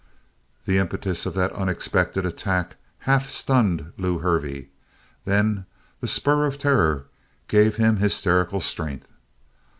The impetus of that unexpected attack, half stunned Lew Hervey. Then the spur of terror gave him hysterical strength.